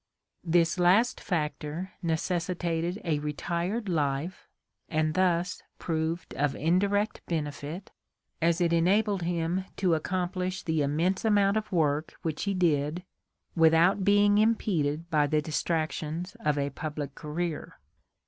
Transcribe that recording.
This last factor necessitated a retired life and thus proved of indirect benefit, as it enabled him to accom 14 ORGANIC EVOLUTION plish the immense amount of work which he did without being impeded by the distractions of a public career.